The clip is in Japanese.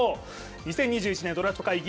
２０２１年ドラフト会議